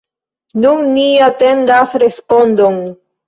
Nun ni atendas respondon.